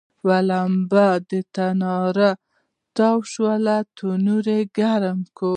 یوه لمبه په تناره کې تاوه شوه، تنور ګرم شو.